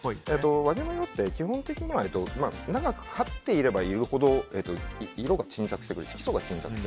和牛の色って、基本的には長く飼っていればいるほど色素が沈着してくる。